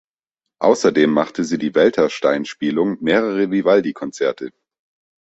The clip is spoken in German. Außerdem machte sie die Weltersteinspielung mehrerer Vivaldi-Konzerte.